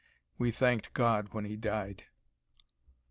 We thanked God when he died.